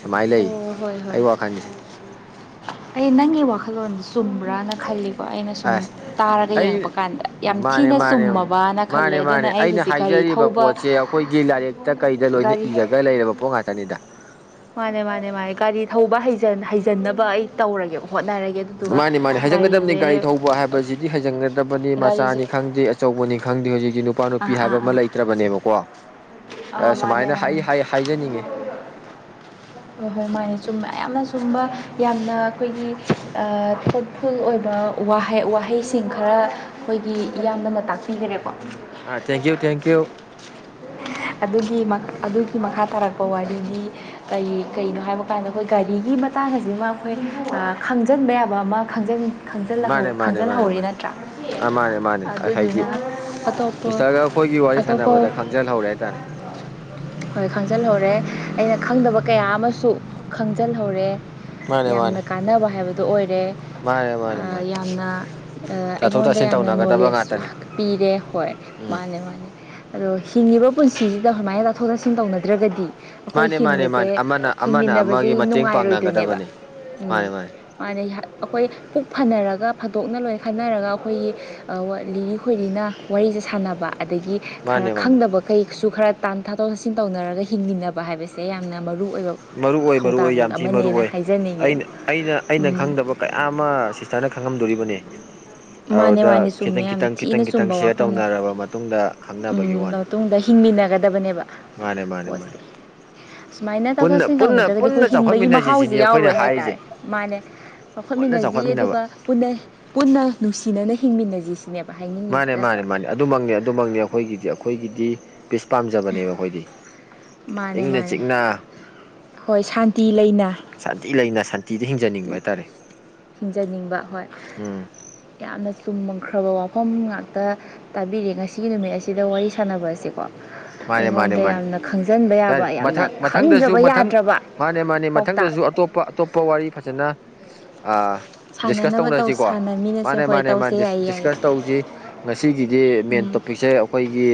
Speaker 1: ꯁꯨꯃꯥꯏꯅ ꯂꯩ
Speaker 2: ꯑꯣ ꯍꯣꯏ ꯍꯣꯏ
Speaker 1: ꯑꯩ ꯋꯥꯈꯜꯁꯦ
Speaker 2: ꯑꯩ ꯅꯪꯒꯤ ꯋꯥꯈꯜꯂꯣꯟ ꯆꯨꯝꯕ꯭ꯔꯥꯅ ꯈꯜꯂꯤ ꯀꯣ ꯑꯩꯅ ꯁꯨꯝ
Speaker 1: ꯑꯁ
Speaker 2: ꯇꯥꯔꯒ ꯌꯦꯡꯉꯛꯄ
Speaker 1: ꯑꯩ
Speaker 2: ꯀꯥꯟꯗ ꯌꯥꯝ
Speaker 1: ꯃꯥꯅꯦ
Speaker 2: ꯊꯤꯅ
Speaker 1: ꯃꯥꯅꯦ
Speaker 2: ꯆꯨꯝꯃꯕꯅ ꯈꯜꯂꯦ
Speaker 1: ꯃꯥꯅꯦ
Speaker 2: ꯑꯗꯨꯅ
Speaker 1: ꯃꯥꯅꯦ
Speaker 2: ꯑꯩ
Speaker 1: ꯑꯩꯅ
Speaker 2: ꯍꯧꯖꯤꯛ ꯒꯥꯔꯤ
Speaker 1: ꯍꯥꯏꯖꯔꯤꯕ
Speaker 2: ꯊꯧꯕ
Speaker 1: ꯄꯣꯠꯁꯦ ꯑꯩꯈꯣꯏꯒꯤ ꯂꯥꯏꯔꯤꯛꯇ ꯀꯩꯗ ꯂꯣꯏꯅ
Speaker 2: ꯒꯥꯔꯤ
Speaker 1: ꯏꯔꯒ ꯂꯩꯔꯕ ꯄꯣꯠ ꯉꯥꯛꯇꯅꯤꯗ
Speaker 2: ꯃꯥꯅꯦ ꯃꯥꯅꯦ ꯃꯥꯅꯦ ꯒꯥꯔꯤ ꯊꯧꯕ ꯍꯩꯖꯟꯅꯕ ꯑꯩ ꯇꯧꯔꯒꯦ ꯍꯣꯠꯅꯔꯒꯦ ꯑꯗꯨꯗꯨꯒ
Speaker 1: ꯃꯥꯅꯤ ꯃꯥꯅꯤ ꯍꯥꯏꯖꯟꯒꯗꯕꯅꯤ ꯒꯥꯔꯤ
Speaker 2: ꯒꯥꯔꯤꯁꯦ
Speaker 1: ꯊꯧꯕ ꯍꯥꯏꯕꯁꯤꯗꯤ ꯍꯩꯖꯟꯒꯗꯕꯅꯤ
Speaker 2: ꯒꯥꯔꯤꯁꯦ
Speaker 1: ꯃꯆꯥꯅꯤ ꯈꯪꯗꯦ ꯑꯆꯧꯕꯅꯤ ꯈꯪꯗꯦ ꯍꯧꯖꯤꯛꯇꯤ ꯅꯨꯄꯥ
Speaker 2: ꯑꯥ
Speaker 1: ꯅꯨꯄꯤ
Speaker 2: ꯑꯥ
Speaker 1: ꯍꯥꯏꯕ ꯑꯃ
Speaker 2: ꯑꯥ
Speaker 1: ꯂꯩꯇ꯭ꯔꯕꯅꯦꯕꯀꯣ ꯑ
Speaker 2: ꯑꯥ ꯃꯥꯅꯦ
Speaker 1: ꯁꯨꯃꯥꯏꯅ ꯍꯥꯏ
Speaker 2: ꯃꯥꯅꯦ
Speaker 1: ꯍꯥꯏꯖꯅꯤꯡꯉꯤ
Speaker 2: ꯍꯣꯏ ꯍꯣꯏ ꯃꯥꯅꯦ ꯆꯨꯝꯕ ꯌꯥꯝꯅ ꯆꯨꯝꯕ ꯌꯥꯝꯅ ꯑꯩꯈꯣꯏꯒꯤ ꯊꯣꯠꯐꯨꯜ ꯑꯣꯏꯕꯍ ꯋꯥꯍꯩꯁꯤꯡ ꯈꯔ ꯑꯩꯈꯣꯏꯒꯤ ꯌꯥꯝꯅ ꯃꯇꯥꯛ ꯄꯤꯈꯅꯦꯦꯀꯣ
Speaker 1: ꯑ ꯊꯦꯡꯀ꯭ꯌꯨ ꯊꯦꯡꯀ꯭ꯌꯨ
Speaker 2: ꯑꯗꯨꯒꯤ ꯑꯗꯨꯒꯤ ꯃꯈꯥ ꯇꯥꯔꯛꯄ ꯋꯥꯔꯤꯗꯤ ꯀꯔꯤ ꯀꯩꯅꯣ ꯍꯥꯏꯕ ꯀꯥꯟꯗ ꯑꯩꯈꯣꯏ ꯒꯥꯔꯤꯒꯤ ꯃꯇꯥꯡꯁꯤꯃ ꯑꯩꯈꯣꯏ ꯈꯪꯖꯤꯟꯕ ꯌꯥꯕ ꯑꯃ ꯈꯪꯖꯟ
Speaker 1: ꯃꯥꯅꯦ ꯃꯥꯅꯦ ꯃꯥꯅꯦ
Speaker 2: ꯈꯪꯖꯤꯜꯍꯧꯔꯦ
Speaker 1: ꯃꯥꯅꯦ
Speaker 2: ꯅꯠꯇ꯭ꯔꯥ
Speaker 1: ꯑꯥ ꯃꯥꯅꯦ ꯃꯥꯅꯦ
Speaker 2: ꯑꯗꯨꯗꯨꯅ
Speaker 1: ꯍꯥꯏꯗꯤ
Speaker 2: ꯑꯇꯣꯞꯄ ꯑ ꯑꯗꯄ
Speaker 1: ꯖꯜ ꯍꯧꯔꯦ ꯍꯥꯏꯇꯥꯔꯦ
Speaker 2: ꯍꯣꯏ ꯈꯪꯖꯤꯜꯍꯧꯔꯦ ꯑꯩꯅ ꯈꯪꯗꯕ ꯀꯌꯥ ꯑꯃꯁꯨ ꯈꯪꯖꯤꯜꯍꯧꯔꯦ
Speaker 1: ꯃꯥꯅꯦ ꯃꯥꯅꯦ
Speaker 2: ꯌꯥꯝꯅ ꯀꯥꯟꯅꯕ ꯍꯥꯏꯕꯗꯨ ꯑꯣꯏꯔꯦ
Speaker 1: ꯃꯥꯅꯦ ꯃꯥꯅꯦ ꯃꯥꯅꯦ
Speaker 2: ꯌꯥꯝꯅ
Speaker 1: ꯇꯥꯊꯣꯛ
Speaker 2: ꯑꯩꯉꯣꯟꯗ
Speaker 1: ꯇꯥꯁꯤꯟ
Speaker 2: ꯌꯥꯝꯅ
Speaker 1: ꯇꯧꯅꯒꯗꯕ
Speaker 2: ꯅꯣꯂꯦꯖ
Speaker 1: ꯉꯥꯛꯇꯅꯦ
Speaker 2: ꯄꯤꯔꯦ ꯍꯣꯏ
Speaker 1: ꯎꯝ
Speaker 2: ꯃꯥꯅꯦ ꯃꯥꯅꯦ ꯑꯗꯣ ꯍꯤꯡꯉꯤꯕ ꯄꯨꯟꯁꯤꯁꯤꯗ ꯁꯨꯃꯥꯏꯅ ꯇꯥꯊꯣꯛ ꯇꯥꯁꯤꯟ ꯇꯧꯅꯗ꯭ꯔꯒꯗꯤ ꯑꯩꯈꯣꯏ
Speaker 1: ꯃꯥꯅꯦ ꯃꯥꯅꯦ
Speaker 2: ꯍꯤꯡꯕꯁꯦ
Speaker 1: ꯃꯥꯅꯦ ꯑꯃꯅ ꯑꯃꯅ
Speaker 2: ꯍꯤꯡꯃꯤꯟꯅꯕꯁꯦ
Speaker 1: ꯑꯃꯒꯤ ꯃꯇꯦꯡ
Speaker 2: ꯅꯨꯡꯉꯥꯏꯔꯣꯏꯗꯣꯏꯅꯦꯕ
Speaker 1: ꯄꯥꯡꯅꯒꯗꯕꯅꯦ ꯃꯥꯅꯦ ꯃꯥꯅꯦ
Speaker 2: ꯅ ꯑꯩꯈꯣꯏ ꯄꯨꯛ ꯐꯅꯔꯒ ꯐꯥꯗꯣꯛꯅ ꯂꯣꯏ ꯈꯟꯅꯔꯒ ꯑꯩꯈꯣꯏꯒꯤ ꯂꯤꯔꯤ ꯈꯣꯏꯔꯤꯅ ꯋꯥꯔꯤꯁꯦ ꯁꯥꯟꯅꯕ ꯑꯗꯒꯤ ꯈꯔ
Speaker 1: ꯃꯥꯅꯦ ꯃꯥꯅꯦ
Speaker 2: ꯈꯪꯗꯕ ꯀꯩꯁꯨ ꯈꯔ ꯇꯥꯟ ꯊꯥꯗꯣꯛ ꯊꯥꯖꯤꯟ ꯇꯧꯅꯔꯒ ꯍꯤꯡꯃꯤꯟꯅꯕ ꯍꯥꯏꯕꯁꯦ ꯁꯦ ꯌꯥꯝꯅ ꯃꯔꯨ ꯑꯣꯏꯕ
Speaker 1: ꯃꯔꯨ ꯑꯣꯏ ꯃꯔꯨ ꯑꯣꯏ
Speaker 2: ꯊꯧꯗꯥꯡ
Speaker 1: ꯌꯥꯝ ꯊꯤ ꯃꯔꯨ
Speaker 2: ꯑꯃꯅꯦꯅ
Speaker 1: ꯑꯣꯏ
Speaker 2: ꯍꯥꯏꯖꯅꯤꯡꯉꯦꯕ
Speaker 1: ꯑꯩꯅ ꯑꯩꯅ ꯑꯩꯅ ꯈꯪꯗꯕ ꯀꯌꯥ ꯑꯃ ꯁꯤꯁꯇꯔꯅ ꯈꯪꯉꯝꯗꯣꯔꯤꯕꯅꯦ
Speaker 2: ꯎ ꯃꯥꯅꯦ
Speaker 1: ꯑꯗꯨꯗ
Speaker 2: ꯃꯥꯅꯦ ꯆꯨꯝꯃꯦ
Speaker 1: ꯈꯤꯇꯪ
Speaker 2: ꯌꯥꯝ
Speaker 1: ꯈꯤꯇꯪ
Speaker 2: ꯊꯤꯅ
Speaker 1: ꯈꯤꯇꯪ ꯈꯤꯇꯪ
Speaker 2: ꯆꯨꯝꯕ
Speaker 1: ꯁꯤꯌꯔ
Speaker 2: ꯋꯥꯐꯝꯅꯤ
Speaker 1: ꯇꯧꯅꯔꯕ ꯃꯇꯨꯡꯗ
Speaker 2: ꯎꯝ
Speaker 1: ꯈꯪꯅꯕꯒꯤ
Speaker 2: ꯃꯇꯨꯡꯗ ꯍꯤꯡꯃꯤꯟꯅꯒꯗꯕꯅꯦꯕ
Speaker 1: ꯃꯥꯅꯦꯦ ꯃꯥꯅꯦ
Speaker 2: ꯄꯣꯠꯁꯦ
Speaker 1: ꯃꯥꯅꯦ
Speaker 2: ꯁꯨꯃꯥꯏꯅ
Speaker 1: ꯄꯨꯟꯅ
Speaker 2: ꯇꯧꯊꯠꯁꯤꯟ
Speaker 1: ꯄꯨꯟꯅ
Speaker 2: ꯇꯧꯅꯗ꯭ꯔꯒꯗꯤ
Speaker 1: ꯄꯨꯟꯅ
Speaker 2: ꯑꯩꯈꯣꯏ ꯍꯤꯡꯕꯒꯤ
Speaker 1: ꯆꯥꯎꯈꯠꯃꯤꯟꯅꯁꯤ
Speaker 2: ꯃꯍꯥꯎꯁꯦ
Speaker 1: ꯁꯤꯅꯤ ꯑꯩꯈꯣꯏꯅ
Speaker 2: ꯌꯥꯎꯔꯣꯏ ꯍꯥꯏ
Speaker 1: ꯍꯥꯏꯔꯤꯁꯦ
Speaker 2: ꯇꯔꯦ ꯃꯥꯅꯦ
Speaker 1: ꯄꯨꯟꯅ
Speaker 2: ꯆꯥꯎꯈꯠꯃꯤꯟꯅꯁꯤ
Speaker 1: ꯆꯥꯎꯈꯠꯃꯤꯟꯅꯕ
Speaker 2: ꯑꯗꯨꯒ ꯄꯨꯟꯅ ꯄꯨꯟꯅ ꯅꯨꯡꯁꯤꯅꯅ ꯍꯤꯡꯃꯤꯟꯅꯁꯤ ꯁꯤꯅꯦꯕ ꯍꯥꯏꯅꯤꯡꯉꯤꯁꯤ
Speaker 1: ꯃꯥꯅꯦ ꯃꯥꯅꯦ
Speaker 2: ꯅꯠꯇ꯭ꯔꯥ
Speaker 1: ꯃꯥꯅꯦ ꯑꯗꯨꯃꯛꯅꯦ ꯑꯗꯨꯃꯛꯅꯤ ꯑꯩꯈꯣꯏꯒꯤꯗꯤ ꯑꯩꯈꯣꯏꯒꯤꯗꯤ ꯄꯤꯁ ꯄꯥꯝꯖꯕꯅꯦꯕ ꯑꯩꯈꯣꯏꯗꯤ
Speaker 2: ꯃꯥꯅꯦ
Speaker 1: ꯏꯪꯅ
Speaker 2: ꯃꯥꯅꯦ
Speaker 1: ꯆꯤꯛꯅ
Speaker 2: ꯍꯣꯏ ꯁꯥꯟꯇꯤ ꯂꯩꯅ
Speaker 1: ꯁꯥꯟꯇꯤ ꯂꯩꯅ ꯁꯥꯟꯇꯤꯗ ꯍꯤꯡꯖꯅꯤꯡꯕ ꯍꯥꯏꯇꯥꯔꯦ
Speaker 2: ꯍꯤꯡꯖꯅꯤꯡꯕ ꯍꯣꯏ
Speaker 1: ꯎꯝ
Speaker 2: ꯌꯥꯝꯅ ꯆꯨꯝꯈ꯭ꯔꯕ ꯋꯥꯐꯝ ꯉꯥꯛꯇ ꯇꯥꯕꯤꯔꯦ ꯉꯁꯤꯒꯤ ꯅꯨꯃꯤꯠ ꯑꯁꯤꯗ ꯋꯥꯔꯤ ꯁꯥꯟꯅꯕꯁꯦꯀꯣ
Speaker 1: ꯃꯥꯅꯦ ꯃꯥꯅꯦ
Speaker 2: ꯑꯩꯉꯣꯟꯗ
Speaker 1: ꯃꯥꯅꯦ
Speaker 2: ꯌꯥꯝꯅ ꯈꯪꯖꯤꯟꯕ ꯌꯥꯕ
Speaker 1: ꯌꯥꯔꯦ
Speaker 2: ꯌꯥꯝꯅ
Speaker 1: ꯃꯊꯪ ꯃꯊꯪꯗꯁꯨ
Speaker 2: ꯈꯪꯗ꯭ꯔꯕ
Speaker 1: ꯃꯊꯪ
Speaker 2: ꯌꯥꯗ꯭ꯔꯕ
Speaker 1: ꯃꯥꯅꯦ ꯃꯥꯅꯦ
Speaker 2: ꯄꯥꯎꯇꯥꯛ
Speaker 1: ꯃꯊꯪꯗꯁꯨ ꯑꯇꯣꯞꯄ ꯑꯇꯣꯞꯄ ꯋꯥꯔꯤ ꯐꯖꯅ ꯗꯤꯁꯀꯁ
Speaker 2: ꯁꯥꯟꯅꯅꯕ ꯇꯧ
Speaker 1: ꯇꯧꯅꯔꯁꯤꯀꯣ
Speaker 2: ꯁꯥꯟꯅꯃꯤꯟꯅꯁꯦ
Speaker 1: ꯃꯥꯅꯦ
Speaker 2: ꯍꯣꯏ
Speaker 1: ꯃꯥꯅꯦ
Speaker 2: ꯇꯧꯁꯦ
Speaker 1: ꯃꯥꯅꯦ
Speaker 2: ꯌꯥꯏꯌꯦ ꯌꯥꯏꯌꯦ
Speaker 1: ꯗꯤꯁꯀꯁ ꯇꯧꯁꯤ ꯉꯁꯤꯒꯤꯗꯤ ꯃꯦꯟ
Speaker 2: ꯎꯝ
Speaker 1: ꯇꯣꯄꯤꯛꯁꯦ ꯑꯩꯈꯣꯏꯒꯤ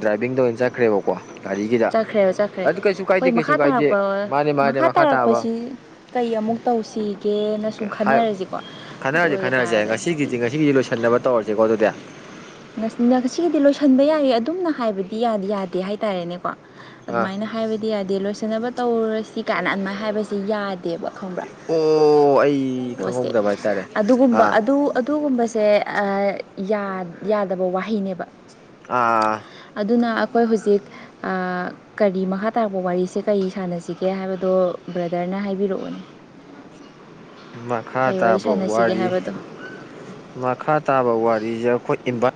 Speaker 1: ꯗ꯭ꯔꯥꯏꯚꯤꯡꯗ ꯑꯣꯏꯅ ꯆꯠꯈ꯭ꯔꯦꯕꯀꯣ ꯒꯥꯔꯤꯒꯤꯗ
Speaker 2: ꯆꯠꯈ꯭ꯔꯦꯕ ꯆꯠꯈ꯭ꯔꯦ
Speaker 1: ꯑꯗꯨ ꯀꯩꯁꯨ
Speaker 2: ꯍꯣꯏ
Speaker 1: ꯀꯥꯏꯗꯦ ꯀꯩꯁꯨ
Speaker 2: ꯃꯈꯥ
Speaker 1: ꯀꯥꯏꯗꯦ
Speaker 2: ꯇꯥꯔꯛꯄ
Speaker 1: ꯃꯥꯅꯦ ꯃꯥꯅꯦ ꯃꯈꯥ ꯇꯥꯕ
Speaker 2: ꯇꯥꯔꯛꯄꯁꯤ ꯀꯩ ꯑꯃꯨꯛ ꯇꯧꯁꯤꯒꯦꯅ ꯁꯨꯝ ꯈꯟꯅꯔꯁꯤꯀꯣ ꯑꯗꯨ
Speaker 1: ꯈꯟꯅꯔꯁꯤ
Speaker 2: ꯑꯣꯏꯕ
Speaker 1: ꯈꯟꯅꯔꯁꯦ
Speaker 2: ꯇꯥꯔꯒꯗꯤ
Speaker 1: ꯉꯁꯤꯒꯤꯗꯤ ꯉꯁꯤꯒꯤꯗꯤ ꯂꯣꯏꯁꯟꯅꯕ ꯇꯧꯔꯁꯦꯀꯣ ꯑꯗꯨꯗꯤ
Speaker 2: ꯉꯁꯤꯒꯤꯗꯤ ꯂꯣꯏꯁꯤꯟꯕ ꯌꯥꯏ ꯑꯗꯨꯝꯅ ꯍꯥꯏꯕꯗꯤ ꯌꯥꯗꯤ ꯌꯥꯗꯦ ꯍꯥꯏꯇꯥꯔꯦꯅꯦꯀꯣ
Speaker 1: ꯑꯥ
Speaker 2: ꯑꯗꯨꯃꯥꯏꯅ ꯍꯥꯏꯕꯗꯤ ꯌꯥꯗꯦ ꯂꯣꯏꯁꯤꯟꯅꯕ ꯇꯧꯔꯁꯤ ꯀꯥꯏꯅ ꯑꯗꯨꯃꯥꯏꯅ ꯍꯥꯏꯕꯁꯤ ꯌꯥꯗꯦꯕ ꯈꯪꯕ꯭ꯔꯥ
Speaker 1: ꯑꯣ ꯑꯩ
Speaker 2: ꯄꯣꯁꯦ
Speaker 1: ꯈꯪꯍꯧꯗꯕ ꯍꯥꯏꯇꯥꯔꯦ
Speaker 2: ꯑꯗꯨꯒꯨꯝꯕ
Speaker 1: ꯑꯥ
Speaker 2: ꯑꯗꯨ ꯑꯗꯨꯒꯨꯝꯕꯁꯦ ꯌꯥꯗꯕ ꯋꯥꯍꯩꯅꯦꯕ
Speaker 1: ꯑꯥ
Speaker 2: ꯑꯗꯨꯅ ꯑꯩꯈꯣꯏ ꯍꯧꯖꯤꯛ ꯀꯔꯤ ꯃꯈꯥ ꯇꯥꯔꯛꯄ ꯋꯥꯔꯤꯁꯦ ꯀꯔꯤ ꯁꯥꯟꯅꯁꯤꯒꯦ ꯍꯥꯏꯕꯗꯣ ꯕ꯭ꯔꯗꯔꯅ ꯍꯥꯏꯕꯤꯔꯛꯎꯅꯦ
Speaker 1: ꯃꯈꯥ
Speaker 2: ꯋꯥꯔꯤ
Speaker 1: ꯇꯥꯕ
Speaker 2: ꯁꯥꯟꯅꯁꯤꯒꯦ
Speaker 1: ꯋꯥꯔꯤ
Speaker 2: ꯍꯥꯏꯕꯗꯣ
Speaker 1: ꯃꯈꯥ ꯇꯥꯕ ꯋꯥꯔꯤꯁꯦ ꯑꯩꯈꯣꯏ ꯏꯚ